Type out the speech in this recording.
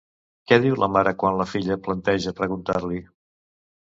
Què diu la mare quan la filla planteja preguntar-li?